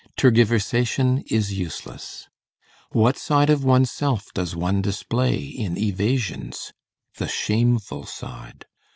Tergiversation is useless. What side of oneself does one display in evasions? the shameful side.